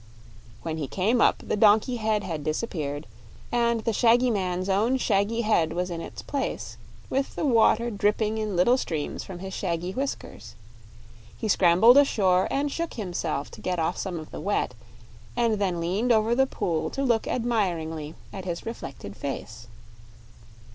When he came up the donkey head had disappeared, and the shaggy man's own shaggy head was in its place, with the water dripping in little streams from his shaggy whiskers. He scrambled ashore and shook himself to get off some of the wet, and then leaned over the pool to look admiringly at his reflected face.